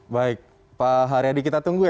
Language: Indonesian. baik pak haryadi kita tunggu ya